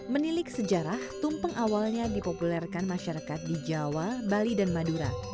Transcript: menilik sejarah tumpeng awalnya dipopulerkan masyarakat di jawa bali dan madura